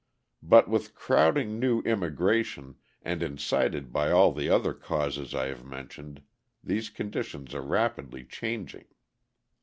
But with crowding new immigration, and incited by all the other causes I have mentioned, these conditions are rapidly changing.